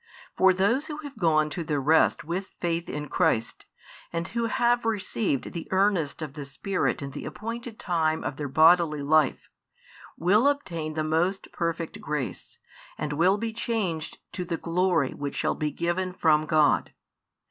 For those who have gone to their rest with faith in Christ, |74 and who have received the earnest of the Spirit in the appointed time of their bodily life, will obtain the most perfect grace, and will be changed to the glory which shall be given from God.